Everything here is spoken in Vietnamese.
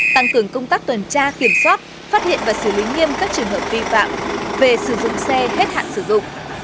tăng cường công tác tuần tra kiểm soát phát hiện và xử lý nghiêm các trường hợp vi phạm về sử dụng xe hết hạn sử dụng